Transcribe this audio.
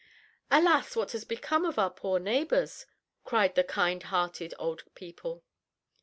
"Alas! what has become of our poor neighbors?" cried the kind hearted old people.